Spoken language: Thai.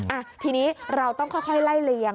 อ่ะทีนี้เราต้องค่อยไล่เลียง